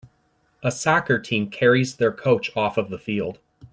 A soccer team carries their coach off of the field.